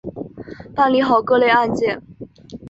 办理好各类案件